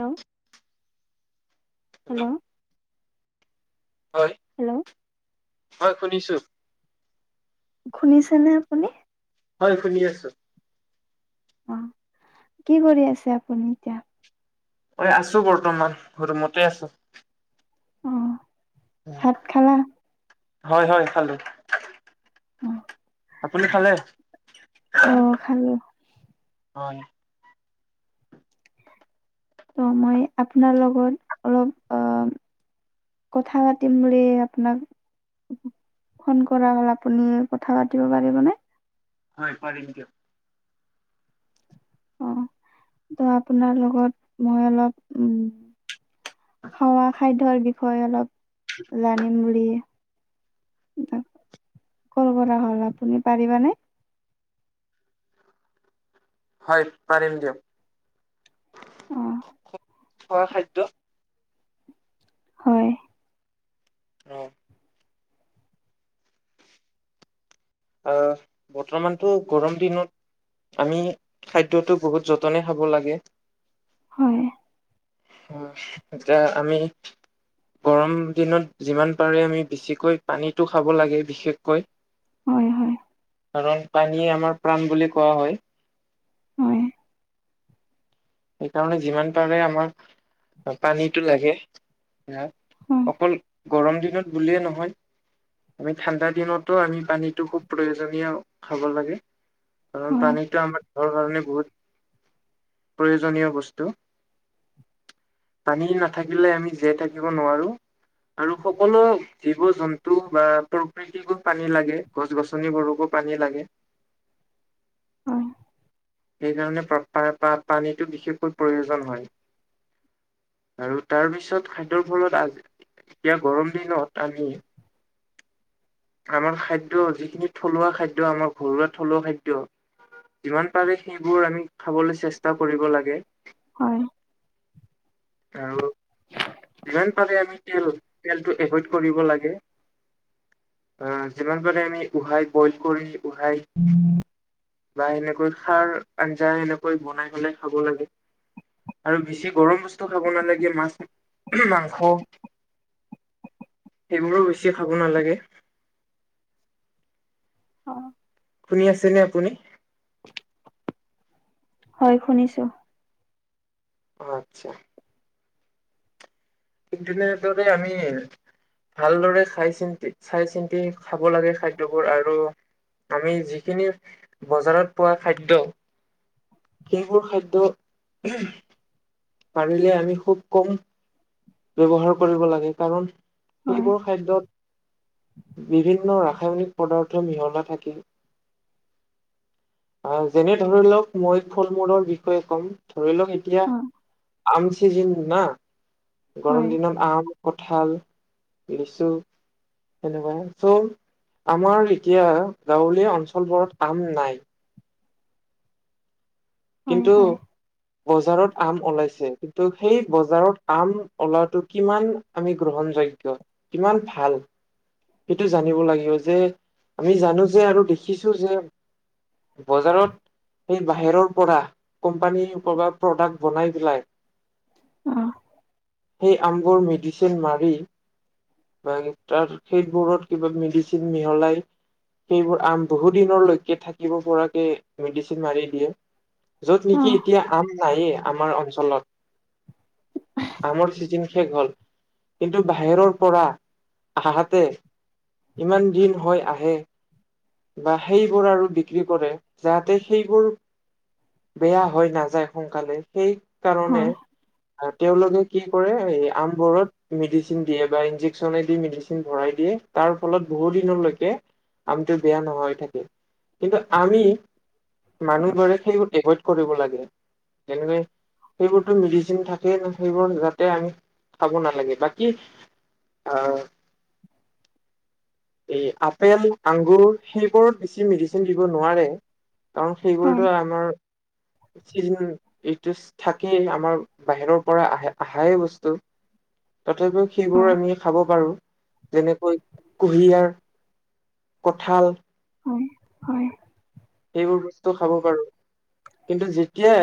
Hello hello হয় hello হয় শুনিছো শুনিছেনে আপুনি হয় শুনি আছো অ কি কৰি আছে আপুনি এতিয়া ঐ আছো বৰ্তমান ৰুমতে আছো অ ভাত খালা হয় হয় খালো অ আপুনি খালে খালো অ ত' মই আপোনাৰ লগত অলপ অ কথা পাতিম বুলি আপোনাক ফোন কৰা হ'ল আপুনি কথা পাতিব পাৰিবনে হয় পাৰিম দিয়ক অ ত আপোনাৰ লগত মই অলপ উম খোৱাা খাদ্যৰ বিষয়ে অলপ জানিম বুলি কল কৰা হ'ল আপুনি পাৰিবনে হয় পাৰিম অ দিয়ক খোৱা খাদ্যৰ হয় অহ অ বৰ্তমানতো গৰম দিনত আমি খাদ্যটো বহুত যতনে খাব লাগে হয় এতিয়া আমি গৰম দিনত যিমান পাৰে আমি বেছিকৈ পানীতো খাব লাগে বিশেষকৈ হয় হয় কাৰণ পানীয়ে আমাৰ প্ৰাণ বুলি কোৱা হয় হয় সেইকাৰণে যিমান পাৰে আমাক পা পানীতো লাগে ইয়াত হয় অকল গৰম দিনত বুলিয়েই নহয়- আমি ঠাণ্ডা দিনতো আমি পানীতো খুব প্ৰয়োজনীয় খাব লাগে। কাৰণ হয় পানীতো আমাৰ দেহৰ কাৰণে বহুত প্ৰয়োজনীয় বস্তু পানী নাথাকিলে আমি জীয়াই থাকিব নোৱাৰো৷ আৰু সকলো জীৱ জন্তু বা প্ৰ খেতিকো পানী লাগে গছ গছনিবোৰকো পানী লাগে৷ হয় সেইকাৰণে প্ৰপাৰ পানীতটো বিশেষকৈ প্ৰয়োজন হয়৷ আৰু তাৰপিছত খাদ্যৰ ফলত আ এতিয়া গৰম দিনত আমি আমাৰ খাদ্য যিখিনি থলুৱা খাদ্য আমাৰ ঘৰুৱা থলুৱা খাদ্য যিমান পাৰি সেইবোৰ আমি খাবলৈ চেষ্টা কৰিব লাগে৷ হয় আৰু যিমান পাৰি আমি তেল-তেল টো এভইড কৰিব লাগে। অ যিমান পাৰি আমি উহাই বইল কৰি উহাই বা এনেকৈ খাৰ আঞ্জা এনেকৈ বনাই পেলাই খাব লাগে। আৰু বেছি গৰম বস্তু খাব নালাগে মাছ মাংস৷ সেইবোৰো বেছি খাব নালাগে। অ শুনি আছেনে আপুনি? হয় শুনিছো। আচ্ছা তেনেদৰে আমি ভালদৰে খাই চিন্তি চাই চিন্তি খাব লাগে খাদ্যবোৰ আৰু আমি যিখিনি বজাৰত পোৱা খাদ্য সেইবোৰ খাদ্য পাৰিলে আমি খুব কম ব্যৱহাৰ কৰিব লাগে কাৰণ হয় সেইবোৰ খাদ্য বিভিন্ন ৰাসায়নিক পদাৰ্থ মিহলা থাকে৷ আ যেনে ধৰি লওক মই ফল-মূলৰ বিষয়ে ক'ম৷ ধৰি লওক এতিয়া হয় আম চিজন না গৰম হয় দিনত আম, কঁঠাল, লিচু তেনেকুৱা চ' আমাৰ এতিয়া গাঁৱলীয়া অঞ্চল বোৰত আম নাই। হয় কিন্তু হয় বজাৰত আম ওলাইছে কিন্তু সেই বজাৰত আম ওলাটো কিমান আমি গ্ৰহণযোগ্য কিমান ভাল৷ সেইটো জানিব লাগিব যে আমি জানো যে আৰু দেখিছো যে বজাৰত সেই বাহিৰৰ পৰা কোম্পানী ক প্ৰডাক্ট বনাই পেলাই অ, সেই আমবোৰ মেডিচিন মাৰি বা তাৰ সেইবোৰত কিবা মেডিচিন মিহলাই- সেইবোৰ আম বহু দিনৰলৈকে থাকিব পৰাকে মেডিচিন মাৰি দিয়ে। যত অ নেকি এতিয়া আম নায়ে আমাৰ অঞ্চলত৷ [unintelligible] আমৰ চিজিন শেষ হল কিন্তু বাহিৰৰ পৰা আহা ইয়াতে ইমান দিন হয় আহে বা সেইবোৰ আৰু বিক্ৰী কৰে যাতে সেইবোৰ বেয়া হৈ নাযায় সোনকালে সেই কাৰণে হয় তেওঁলোকে কি কৰে আমবোৰত মেডিচিন দিয়ে বা ইঞ্জেকচন দি মেডিচিন ভৰাই দিয়ে তাৰ ফলত বহুত দিনলৈকে আমটো বেয়া নহয় থাকে। কিন্তু আমি মানুহবৰে সেইবোৰ এভইড কৰিব লাগে যেনে সেইবোৰতো মেডিচিন থাকেই সেইবোৰ যাতে আমি খাব নালাগে বাকী আ এই আপেল, আংগুৰ সেইবোৰত বেছি মেডিচিন দিব নোৱাৰে৷ কাৰণ হয় সেইবোৰতো আমাৰ [inaudible] চিজন এইটো থাকেই আমাৰ বাহিৰৰ পৰা আহে আহাই বস্তু তথাপিও সেইবোৰ হয় আমি খাব পাৰো৷ যেনেকৈ কুঁহিয়াৰ, কঠাল৷ হয়-হয় সেইবোৰ বস্তু খাব পাৰোঁ। কিন্তু যেতিয়া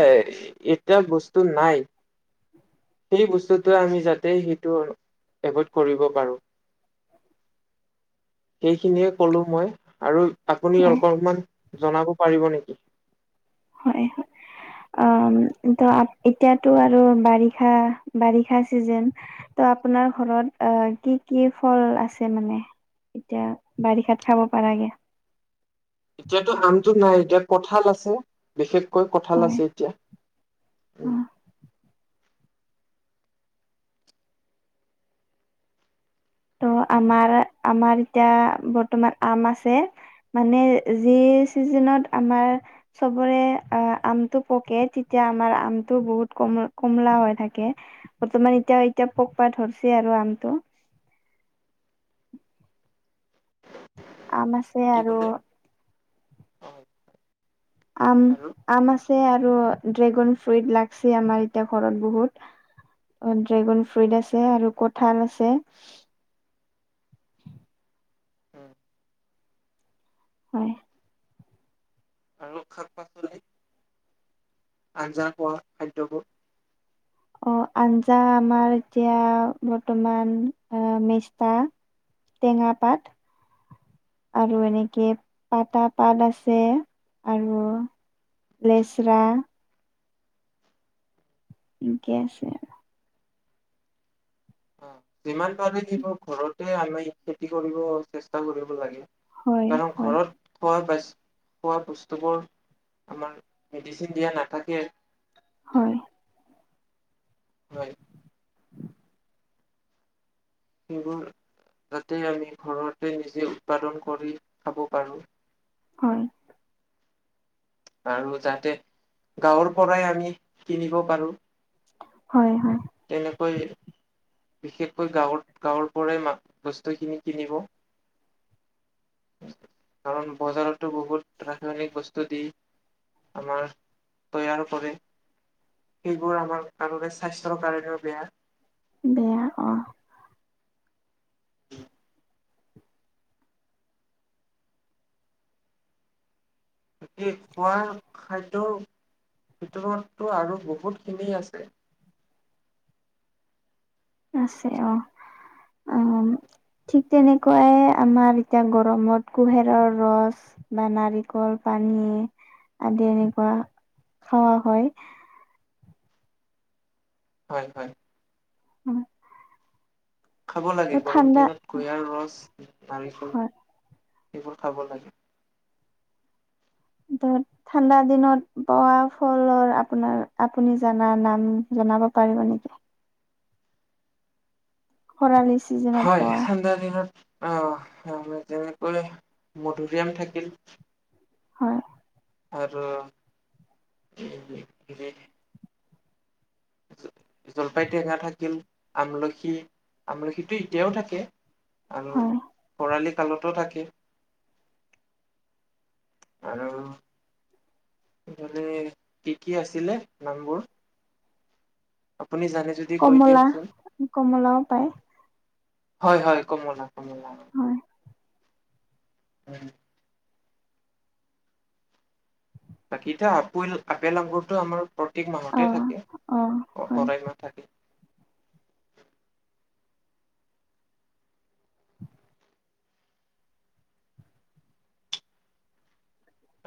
এতা বস্তু নাই সেই বস্তুটো আমি যাতে সেইটো এভইড কৰিব পাৰোঁ। [inaudible] সেইখিনিয়ে কলো মই আৰু আপুনি অকনমান জনাব পাৰিব নেকি? হয়-হয়। অহ, ত'এতিয়াতো আৰু বাৰিষা- বাৰিষা চিজেন ত' আপোনাৰ ঘৰত অ' কি- কি ফল আছে মানে? এতিয়া বাৰিষাত খাব পাৰাকে। এতিয়াতো আমটো নাই এতিয়া কঁঠাল আছে বিশেষকৈ কঁঠাল হয় আছে এতিয়া। অ উম, ত' আমাৰ -আমাৰ এতিয়া বৰ্তমান আম আছে। মানে যি ছিজিনত আমাৰ চবৰে আমটো পকে তেতিয়া আমাৰ আমটো বহুত কম কমলা হৈ থাকে। বৰ্তমান এতিয়া -এতিয়া পকবা ধৰিছে আৰু আমটো। আম আছে কি আৰু ক'লে অ আম আৰু -আম আছে আৰু ড্ৰেগন ফ্ৰুইট লাগছে আমাৰ এতিয়া ঘৰত বহুত। অহ, ড্ৰেগন ফ্ৰুইট আছে আৰু কঠাল আছে। উম। হয়। আৰু শাক- পাঁচ আঞ্জা খোৱা খাদ্যবোৰ অহ, আঞ্জা আমাৰ এতিয়া বৰ্তমান অ' মেষ্টা টেঙা পাত আৰু এনেকে পাটা পাত আছে আৰু লেচৰা, ইনকে আছে। অহ, যিমান পাৰে দিব ঘৰতে আমি খেতি কৰিব চেষ্টা কৰিব লাগে। হয় কাৰণ হয় ঘৰত খোৱা বাচ খোৱা বস্তুবোৰ আমাৰ মেডিচিন দিয়া নাথাকে। হয়। হয়। সেইবোৰ যাতে আমি ঘৰতে নিজে উৎপাদন কৰি খাব পাৰোঁ। হয়। আৰু যাতে গাঁৱৰ পৰাই আমি কিনিব পাৰোঁ। হয় - হয়৷ তেনেকৈ বিশেষকৈ গাঁৱত গাঁৱৰ পৰাই মাক বস্তুখিনি কিনিব। কাৰণ বজাৰতো বহুত ৰাসায়নিক বস্তু দিয়ে। আমাৰ তৈয়াৰ কৰে সেইবোৰ আমাৰ কাৰোৰে স্বাস্থ্য কাৰনেও বেয়া। বেয়া অ বাকী খোৱা খাদ্যৰ ভিতৰতটো আৰু বহুত খিনি আছে৷ আছে অহ', অহ', ঠিক তেনেকৈ আমাৰ এতিয়া গৰমত কুহিয়াৰ ৰচ বা নাৰিকল পানী আদি এনেকুৱা খাৱা হয়। হয়', হয়',। উম। খাব লাগে গৰম দিনত কুঁহিয়াৰৰ ৰচ, নাৰিকল হয় সেইবোৰ খাব লাগে। দৰ ঠাণ্ডা দিনত পোৱা ফলৰ আপোনাৰ আপুনি জানা নাম জনাব পাৰিব নেকি? খৰালি চিজেন। হয় ঠাণ্ডা দিনত আহ যেনেকৈ মধুৰিআম থাকিল। হয়। আৰু জলফাই টেঙা থাকিল, আমলখি আমলখিতো এতিয়াও থাকে। আৰু হয় খৰালি কালতো থাকে। আৰু। মানে কি কি আছিলে নামবোৰ? আপুনি জানে যদি কৈ কমলা দিয়কচোন। কমলাও পায় হয় হয় কমলা কমলা। হয় হয়। বাকী এতিয়া আপুল আপেল আঙুৰতো আমাৰ প্ৰত্যেক অ মাহতে থাকে। অ হয় সদায় নাথাকে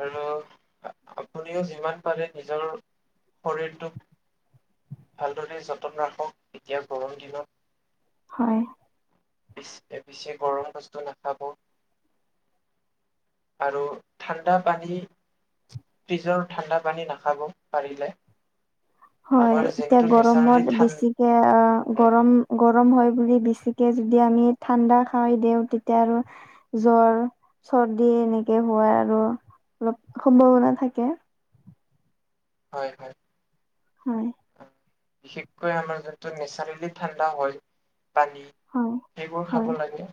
আৰু আপুনিও যিমান পাৰে নিজৰ শৰীৰটোক ভালদৰে যতন ৰাখক এতিয়া গৰম দিনত। হয়। পিছ এ পিছে গৰম বস্তু নাখাব। আৰু ঠাণ্ডা পানী ফ্ৰিজৰ ঠাণ্ডা পানী নাখাব পাৰিলে। হয় আমাৰ এতিয়া যোনটো নেচাৰেলি গৰমত ঠাণ্ডা বেছি কে অ গৰম গৰম হয় বুলি বেছিকে যদি আমি ঠাণ্ডা খাই দিওঁ তেতিয়া আৰু জ্বৰ চৰ্দি এনেকৈ হোৱাৰ আৰু অলপ সম্ভাৱনা থাকে। হয় হয়। হয়। বিশেষকৈ আমাৰ যোনটো নেচাৰেলি ঠাণ্ডা হয় পানী। হয় সেইবোৰ খাব হয় লাগে।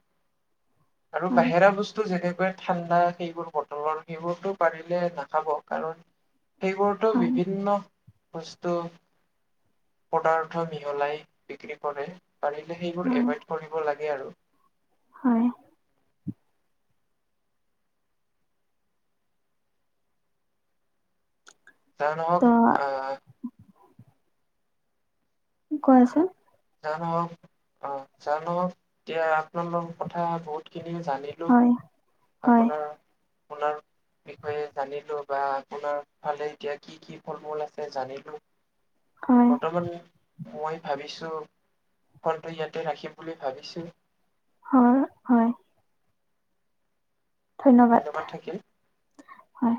আৰু হয় বাহিৰা বস্তু- টো যেনেকে ঠাণ্ডা সেইবোৰ বটলৰ সেইবোৰতো পাৰিলে নাখাব কাৰণ, সেইবোৰতো হয় বিভিন্ন বস্তু পদাৰ্থ মিহলাই বিক্ৰী কৰে, পাৰিলে সেইবোৰ হয় এভাইড কৰিব লাগে আৰু। হয়। যাৰ ত নহয় আ তুমি কোৱাচোন? যা নহক অ যা নহক এতিয়া আপোনাৰ লগত কথা বহুত খিনি জানি হয়। হয় আপোনাৰ আপোনাৰ বিষয়ে জানিলো বা আপোনাৰ ফালে এতিয়া কি কি ফল মূল আছে জানিলোঁ। হয় বৰ্তমান মই ভাবিছোঁ ফনটো ইয়াতে ৰাখিম বুলি ভাবিছোঁ। হয় হয়। ধন্যবাদ হয়।